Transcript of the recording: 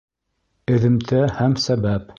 Эҙемтә һәм сәбәп